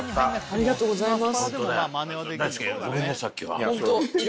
ありがとうございます。